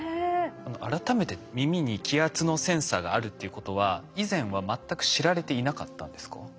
改めて耳に気圧のセンサーがあるっていうことは以前は全く知られていなかったんですか？